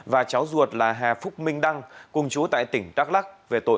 và cháu ruột là hà phúc minh đăng cùng chú tại tỉnh đắk lắc